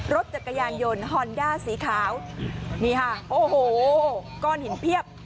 รถจักรยานยนต์ฮอนด้าสีขาวนี่ค่ะโอ้โหก้อนหินเพียบ